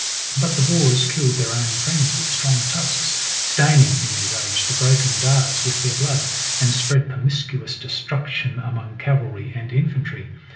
But the boars killed their own friends with strong tusks, staining, in their rage, the broken darts with their blood, and spread promiscuous destruction among cavalry and infantry.